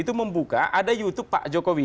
itu membuka ada youtube pak jokowi